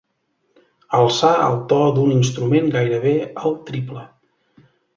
Alçar el to d'un instrument gairebé al triple.